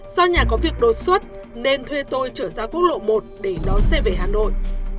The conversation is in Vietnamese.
do nhà có việc đột xuất nên thuê tôi trở ra quốc lộ một để đón xe về hà nội